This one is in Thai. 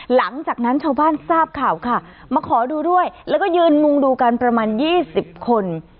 หลังจากนั้นชาวบ้านทราบข่าวค่ะมาขอดูด้วยแล้วก็ยืนมุงดูกันประมาณ๒๐คน